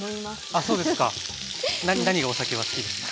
あそうですか。何がお酒は好きですか？